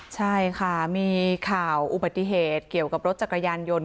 ใช่ค่ะมีข่าวอุบัติเหตุเกี่ยวกับรถจักรยานยนต์